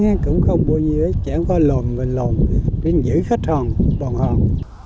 nên cũng không bao nhiêu ấy chẳng có lồn bình lồn để giữ khách hàng bồng hồn